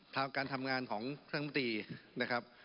ทางการทำงานของท่านมตินะครับ